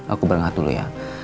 aku berangkat dulu ya